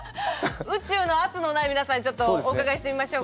宇宙の圧のない皆さんにちょっとお伺いしてみましょうか。